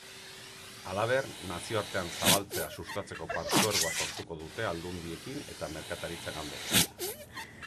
Halaber, nazioartean zabaltzea sustatzeko partzuergoa sortuko dute aldundiekin eta merkataritza-ganberekin.